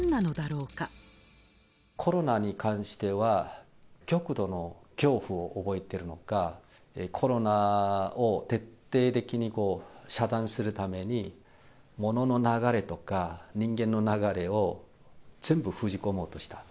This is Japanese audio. コロナに関しては、極度の恐怖を覚えてるのか、コロナを徹底的に遮断するために、物の流れとか、人間の流れを全部封じ込もうとした。